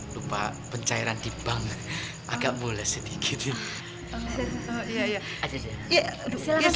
lupa pencairan dibang enggak mulai sedikit silakan lupa bayi jaime